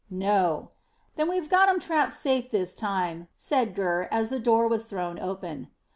"No." "Then we've got 'em trapped safe this time," said Gurr, as the door was thrown open.